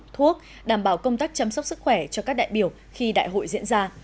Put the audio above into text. thuốc đảm bảo công tác chăm sóc sức khỏe cho các đại biểu khi đại hội diễn ra